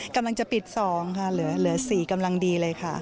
กำลังจะปิด๒ค่ะเหลือ๔กำลังดีเลยค่ะ